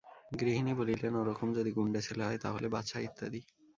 গৃহিণী বলিলেন-ওরকম যদি গুণ্ডে ছেলে হয় তা হলে বাছা-ইত্যাদি।